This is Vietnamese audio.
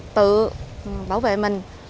tự bảo vệ mình